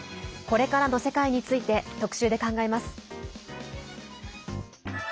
これからの世界について特集で考えます。